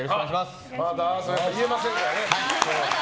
まだ言えませんからね。